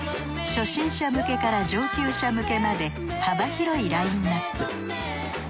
初心者向けから上級者向けまで幅広いラインアップ。